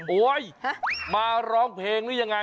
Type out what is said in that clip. โอ๊ยมาร้องเพลงหรือยังไง